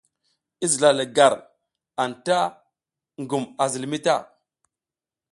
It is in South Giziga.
I zila le gar, anta a ngum a zilmi ta.